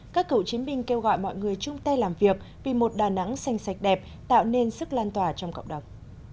các cựu chiến binh kêu gọi mọi người chung tay làm việc vì một đà nẵng xanh sạch đẹp tạo nên sức lan tỏa trong cộng đồng